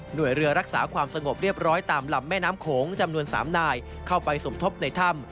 โดยเรือรักษาความสงบเรียบร้อยตามลำแม่น้ำโขงจำนวน๓นายเข้าไปสมทบในถ้ำ